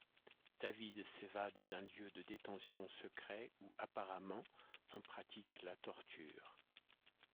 David s'évade d'un lieu de détention secret, où apparemment on pratique la torture.